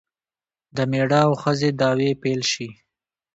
د میړه او ښځې دعوې پیل شي.